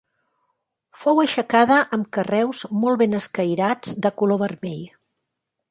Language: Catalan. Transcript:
Fou aixecada amb carreus molt ben escairats de color vermell.